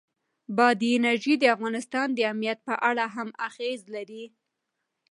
بادي انرژي د افغانستان د امنیت په اړه هم اغېز لري.